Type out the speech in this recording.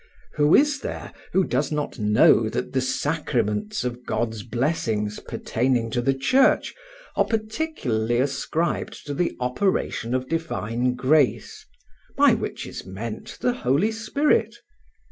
Who is there who does not know that the sacraments of God's blessings pertaining to the Church are particularly ascribed to the operation of divine grace, by which is meant the Holy Spirit?